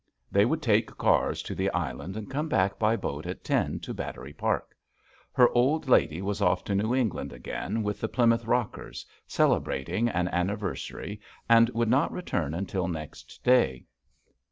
They would take cars to the Island and come back by boat at ten to Battery Park. Her old lady was off to New England again with the Plymouth Rockers, celebrating an anniver sary, and would not return until next day.